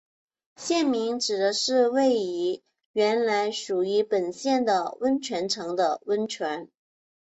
县名指的是位于原来属于本县的温泉城的温泉。